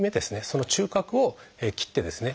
その中隔を切ってですね